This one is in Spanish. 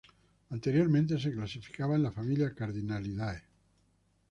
Anteriormente se clasificaba en la familia Cardinalidae.